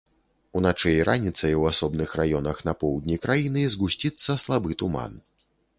Уначы і раніцай у асобных раёнах на поўдні краіны згусціцца слабы туман.